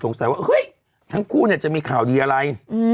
สงสัยว่าเฮ้ยทั้งคู่จะมีข่าวดีอะไร